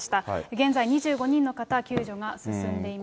現在２５人の方、救助が進んでいます。